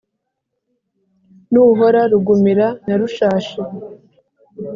nuhora rugumira na rushashi